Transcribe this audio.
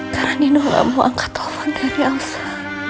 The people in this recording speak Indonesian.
karena nino gak mau angkat telepon dari elsa